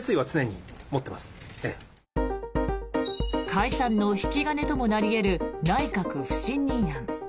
解散の引き金ともなり得る内閣不信任案。